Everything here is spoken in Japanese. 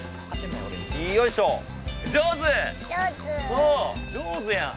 そう上手やん。